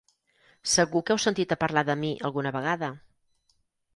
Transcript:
Segur que heu sentit a parlar de mi alguna vegada.